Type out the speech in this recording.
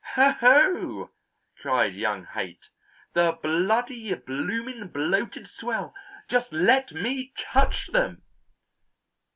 "O oh!" cried young Haight. "The bloody, bloomin', bloated swell. Just let me touch them!"